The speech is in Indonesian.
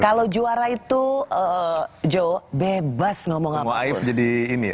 kalau juara itu joe bebas ngomong apapun